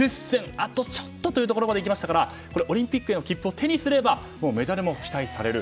あとちょっとというところまでいきましたからオリンピックへの切符を手にすればメダルも期待される。